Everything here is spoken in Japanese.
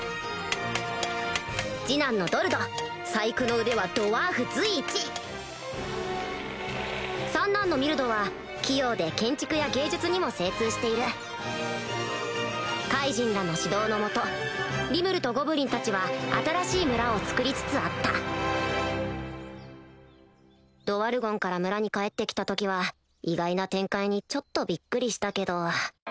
次男のドルド細工の腕はドワーフ随一三男のミルドは器用で建築や芸術にも精通しているカイジンらの指導の下リムルとゴブリンたちは新しい村を造りつつあったドワルゴンから村に帰って来た時は意外な展開にちょっとビックリしたけど